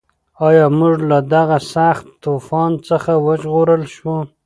ایا موږ له دغه سخت طوفان څخه وژغورل شوو؟